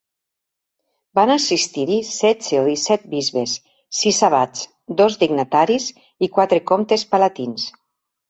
Van assistir-hi setze o disset bisbes, sis abats, dos dignataris i quatre comtes palatins.